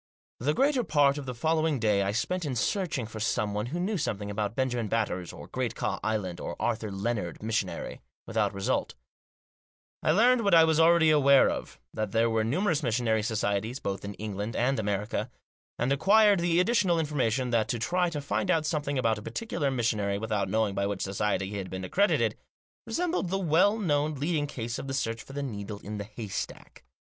The greater part of the following day I spent in searching for someone who knew something about Benjamin Batters, or Great Ka Island, or Arthur Lennard, missionary — without result I learned what I was already aware of, that there were numerous missionary societies, both in England and America ; and acquired the additional information that to try to find out something about a particular missionary without knowing by which society he had been accredited, resembled the well known leading case of the search for the needle in the haystack.